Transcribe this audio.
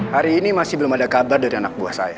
hari ini masih belum ada kabar dari anak buah saya